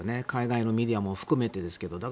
海外メディアも含めてですけど。